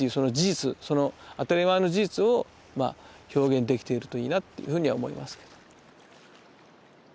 その当たり前の事実を表現できているといいなっていうふうには思います。